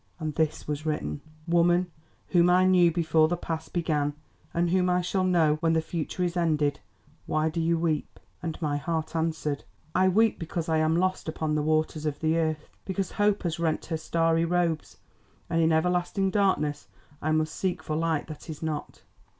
And this was written: "'Woman whom I knew before the Past began, and whom I shall know when the Future is ended, why do you weep?' "And my heart answered, 'I weep because I am lost upon the waters of the earth, because Hope has rent her starry robes, and in everlasting darkness I must seek for light that is not.